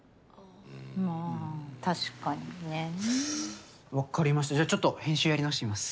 まあ確かにね。わかりましたじゃあちょっと編集やり直してみます。